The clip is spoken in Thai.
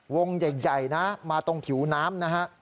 วงใหญ่นะมาตรงผิวน้ำนะฮะ